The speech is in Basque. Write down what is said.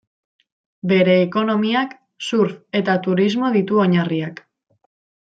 Bere ekonomiak surf eta turismo ditu oinarriak.